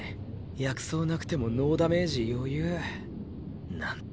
薬草なくてもノーダメージ余裕なんて。